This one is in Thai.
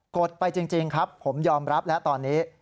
ดไปจริงครับผมยอมรับแล้วตอนนี้